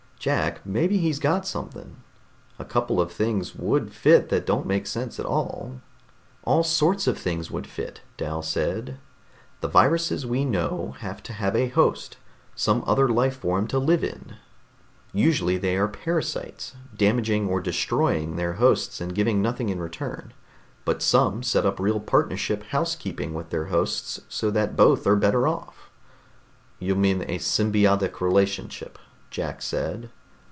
"Jack, maybe he's got something. A couple of things would fit that don't make sense at all." "All sorts of things would fit," Dal said. "The viruses we know have to have a host some other life form to live in. Usually they are parasites, damaging or destroying their hosts and giving nothing in return, but some set up real partnership housekeeping with their hosts so that both are better off." "You mean a symbiotic relationship," Jack said.